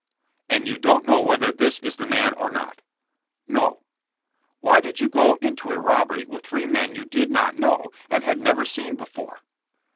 "And you don*t know whtth«r this is the man or not?" "No." "WTiy did you go into a robbery with three men you did not know, and had never seen before?"